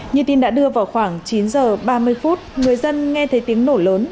như tin đã đưa vào khoảng chín giờ ba mươi phút người dân nghe thấy tiếng nổ lớn